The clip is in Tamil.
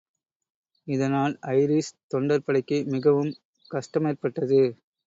இதனால் ஐரிஷ் தொண்டர்படைக்கு மிகவும் கஷ்டமேற்பட்டது.